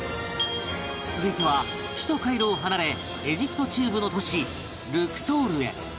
続いては首都カイロを離れエジプト中部の都市ルクソールへ